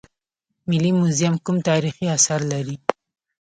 ملي موزیم کوم تاریخي اثار لري؟